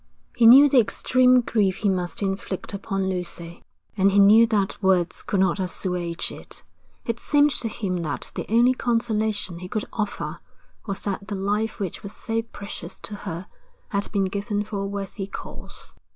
He knew the extreme grief he must inflict upon Lucy, and he knew that words could not assuage it. It seemed to him that the only consolation he could offer was that the life which was so precious to her had been given for a worthy cause.